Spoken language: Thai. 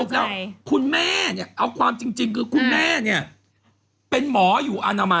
แล้วคุณแม่เนี่ยเอาความจริงคือคุณแม่เนี่ยเป็นหมออยู่อนามัย